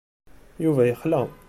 Yuba yexla.